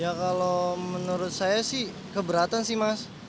ya kalau menurut saya sih keberatan sih mas